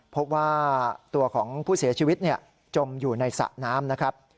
พบว่าตัวของผู้เสียชีวิตจมอยู่ในสระน้ำนะครับ